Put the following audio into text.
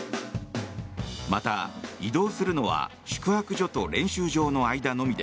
また、移動するのは宿泊所と練習場の間のみで